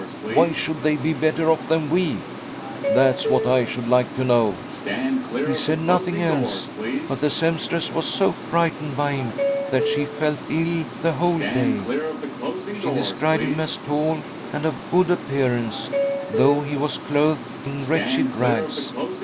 Why should they be better off than we ? That's what I should like to know.' He said nothing else, but v 92 THY SOUL SHALL BEAR WITNESS !• the sempstress was so frightened by him that she felt ill the whole day. She described him as tall, and of good appearance, though he was clothed in wretched rags.